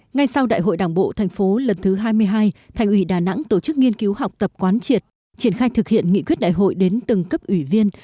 ngay sau đại hội đảng bộ thành phố lần thứ hai mươi hai thành ủy đà nẵng tổ chức nghiên cứu học tập quán triệt triển khai thực hiện nghị quyết đại hội đến từng cấp ủy viên